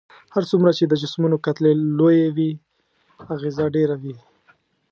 هر څومره چې د جسمونو کتلې لويې وي اغیزه ډیره وي.